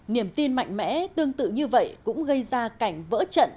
niềm tin mạnh mẽ tương tự như vậy cũng gây ra cảnh vỡ trận